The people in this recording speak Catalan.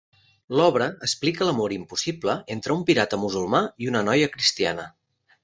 L'obra explica l'amor impossible entre un pirata musulmà i una noia cristiana.